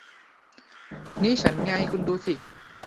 นี่ฉันไง คุณดูสิ